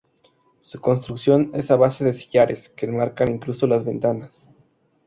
Su construcción es a base de sillares, que enmarcan incluso las ventanas.